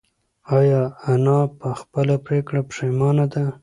ایا انا په خپله پرېکړه پښېمانه ده؟